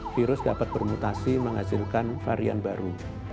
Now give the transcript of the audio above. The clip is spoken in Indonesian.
virus dapat bermutasi menghasilkan varian baru